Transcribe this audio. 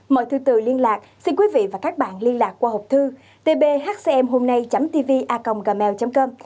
mọi thư từ liên lạc xin quý vị và các bạn liên lạc qua hộp thư tbhcmhômnay tvacomgmail com